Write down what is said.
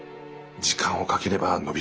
時間をかければ伸びるかと。